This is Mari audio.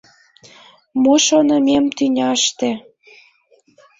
Мо шонымем тӱняште